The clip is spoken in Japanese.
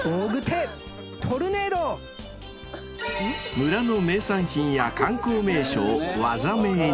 村の名産品や観光名所を技名に。